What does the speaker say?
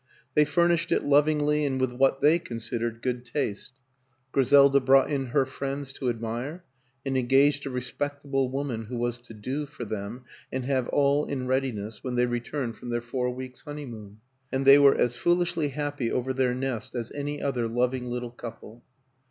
They furnished it lovingly and with what they considered good taste; Griselda brought in her friends to admire, and engaged a respectable woman who was to " do " for them and have all in readiness when they returned from their four weeks' honeymoon and they were as foolishly happy over their nest as any other loving little couple.